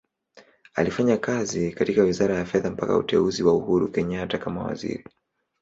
Alifanya kazi katika Wizara ya Fedha mpaka uteuzi wa Uhuru Kenyatta kama Waziri.